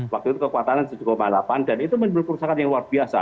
waktu itu kekuatannya tujuh delapan dan itu menimbulkan kerusakan yang luar biasa